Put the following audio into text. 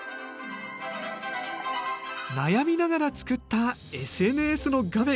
悩みながら作ったＳＮＳの画面。